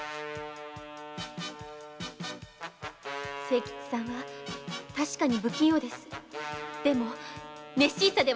清吉さんは確かに不器用ですが熱心さ